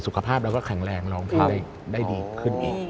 สุขภาพเราก็แข็งแรงร้องเพลงได้ดีขึ้นอีก